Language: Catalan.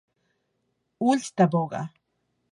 Ulls de boga.